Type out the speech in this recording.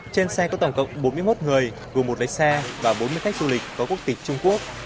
trên xe có tổng cộng bốn mươi một người gồm một máy xa và bốn mươi khách du lịch có quốc tịch trung quốc